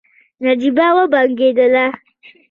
نجيبه وبنګېدله.